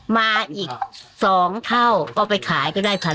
มาอีก๒เท่าก็ไปขายก็ได้๑๐๐